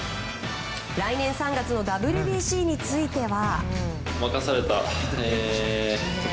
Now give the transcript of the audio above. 来年３月のＷＢＣについては。